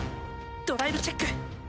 ドライブチェック！